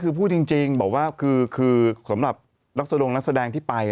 คือพูดจริงบอกว่าคือสำหรับนักแสดงนักแสดงที่ไป